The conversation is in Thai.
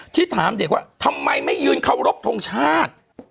ที่ถามเด็กว่าทำไมไม่ยืนเคารพทงชาติ